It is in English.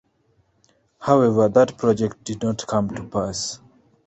However, that project did not come to pass.